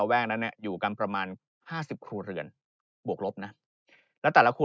แว้งนะเนี่ยอยู่กันประมาณ๕๐ครูเรือนบวกลบนะแล้วแต่ละครู